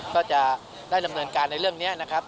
ก็จะได้ดำเนินการในเรื่องนี้นะครับ